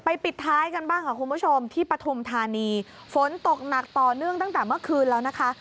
ปิดท้ายกันบ้างค่ะคุณผู้ชมที่ปฐุมธานีฝนตกหนักต่อเนื่องตั้งแต่เมื่อคืนแล้วนะคะ